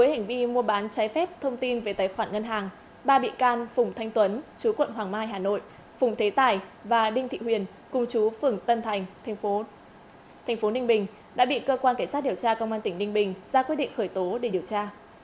với hành vi mua bán trái phép thông tin về tài khoản ngân hàng ba bị can phùng thanh tuấn chú quận hoàng mai hà nội phùng thế tài và đinh thị huyền cùng chú phường tân thành tp ninh bình đã bị cơ quan cảnh sát điều tra